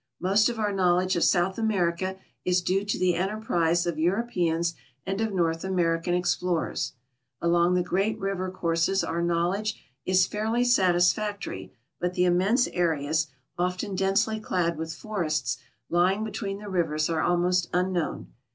Most of our knowledge of South America is due to the enteri)rise of Europeans and of North .Vmcr icaii explorers. Along the great river counses our knowledj^e xa fairly satisfactory, but the immense areas, often densely clad with forests, l3Mng between the rivers are almost unknown.